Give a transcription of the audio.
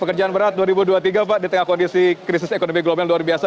pekerjaan berat dua ribu dua puluh tiga pak di tengah kondisi krisis ekonomi global yang luar biasa